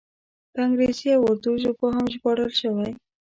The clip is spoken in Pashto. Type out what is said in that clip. په انګریزي او اردو ژبو هم ژباړل شوی.